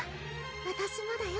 わたしもだよ